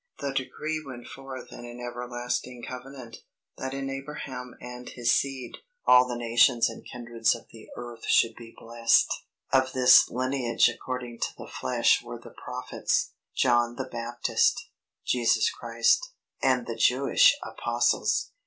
The decree went forth in an everlasting covenant, that in Abraham and his seed, all the nations and kindreds of the earth should be blessed. Of this lineage according to the flesh were the Prophets, John the Baptist, Jesus Christ, and the Jewish Apostles.